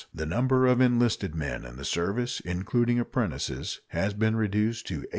The number of enlisted men in the service, including apprentices, has been reduced to 8,500.